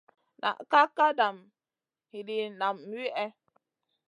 Na kaʼa kam hidina nam wihè.